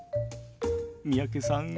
三宅さん